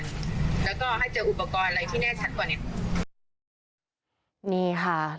แล้วก็ให้เจออุปกรณ์อะไรที่แน่ชัดก่อนเนี่ย